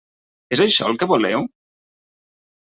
És això el que voleu?